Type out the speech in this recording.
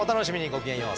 ごきげんよう。